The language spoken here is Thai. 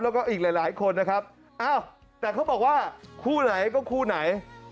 แล้วก็อีกหลายคนนะครับอ้าวแต่เขาบอกว่าคู่ไหนก็คู่ไหน